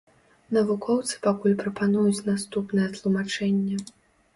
Навукоўцы пакуль прапануюць наступнае тлумачэнне.